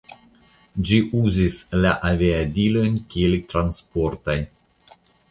Ĝi uzis la aviadilojn kiel transportaj.